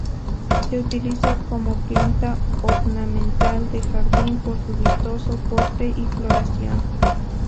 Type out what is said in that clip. Se utiliza como planta ornamental de jardín por su vistoso porte y floración.